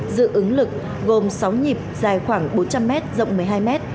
dự ứng lực gồm sáu nhịp dài khoảng bốn trăm linh m rộng một mươi hai m